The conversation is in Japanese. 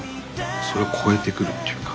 それを超えてくるっていうか。